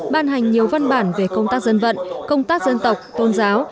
ban hành nhiều văn bản về công tác dân vận công tác dân tộc tôn giáo